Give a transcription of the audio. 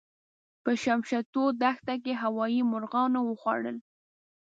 په شمشتو دښته کې هوايي مرغانو وخوړل.